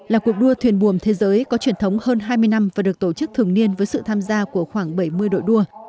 là cuộc đua thuyền buồm thế giới có truyền thống hơn hai mươi năm và được tổ chức thường niên với sự tham gia của khoảng bảy mươi đội đua